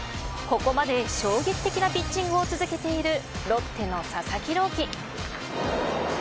ここまで衝撃的なピッチングを続けているロッテの佐々木朗希。